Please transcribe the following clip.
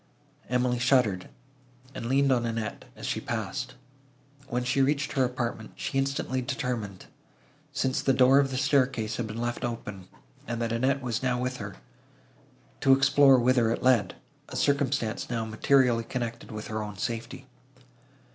Emily shuddered, and leaned on Annette, as she passed. When she reached her apartment, she instantly determined, since the door of the staircase had been left open, and that Annette was now with her, to explore whither it led,—a circumstance now materially connected with her own safety.